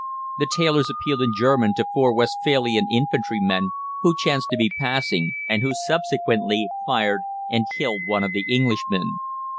The tailors appealed in German to four Westphalian infantrymen who chanced to be passing, and who subsequently fired and killed one of the Englishmen.